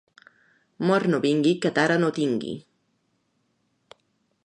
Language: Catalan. Mort no vingui que tara no tingui.